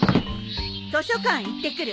図書館行ってくる。